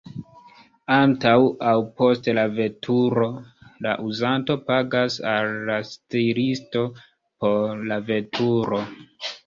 Antaŭ aŭ post la veturo la uzanto pagas al la stiristo por la veturo.